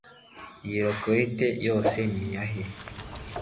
iyo racket yose niyihe